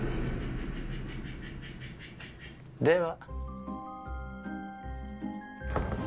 では。